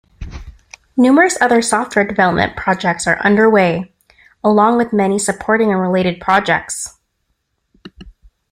Numerous other software development projects are underway, along with many supporting and related projects.